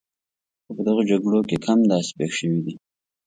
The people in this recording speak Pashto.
خو په دغو جګړو کې کم داسې پېښ شوي دي.